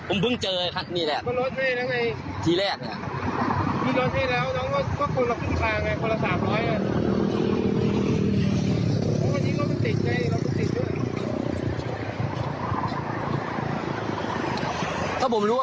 ผมนั่งแก๊ปซี่มาง่ายอยู่